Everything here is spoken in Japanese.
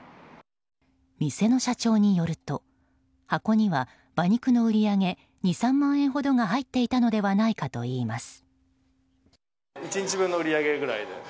店の社長によると箱には馬肉の売り上げ２３万円ほどが入っていたのではないかといいます。